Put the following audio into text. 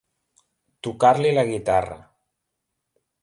Tocar-li la guitarra.